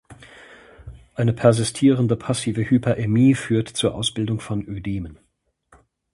Eine persistierende passive Hyperämie führt zur Ausbildung von Ödemen.